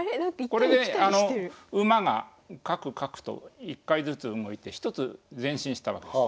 これで馬がカクカクと１回ずつ動いて１つ前進したわけです。